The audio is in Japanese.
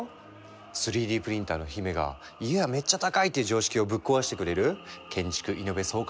３Ｄプリンターの姫が家はめっちゃ高いっていう常識をぶっ壊してくれる建築イノベ爽快